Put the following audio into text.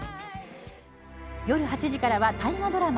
夜８時からは大河ドラマ